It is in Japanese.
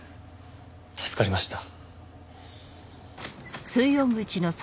助かりました。